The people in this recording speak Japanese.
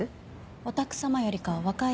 お宅さまよりかは若いですよ。